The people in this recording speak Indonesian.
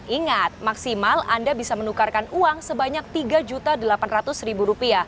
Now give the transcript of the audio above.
ingat maksimal anda bisa menukarkan uang sebanyak rp tiga delapan ratus